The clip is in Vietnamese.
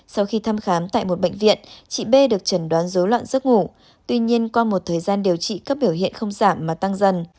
sau khi thăm khám tại một bệnh viện chị b được chẩn đoán dối loạn giấc ngủ tuy nhiên qua một thời gian điều trị các biểu hiện không giảm mà tăng dần